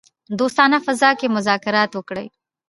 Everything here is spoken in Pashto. دوستانه فضا کې مذاکرات وکړي.